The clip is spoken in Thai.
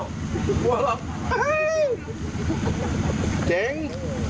กลัวหลับ